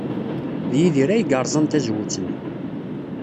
D Yidir ay yerẓan tazewwut-nni.